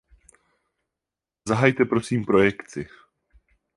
Zahajte prosím projekci.